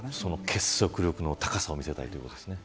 その結束力の高さを見せたいということですね。